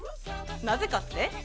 なぜかって？